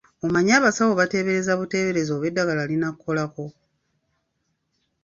Okimanyi abasawo bateebereza buteebereza oba eddagala linaakukolako?